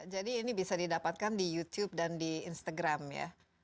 jadi ini bisa didapatkan di youtube dan di instagram ya